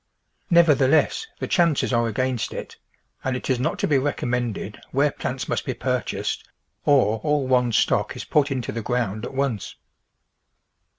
Nevertheless, the chances are against it, and it is not to be recommended where plants must be purchased, or all one's stock is put into the ground at once.